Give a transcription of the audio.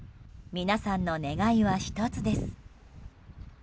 皆さんの願いは１つです。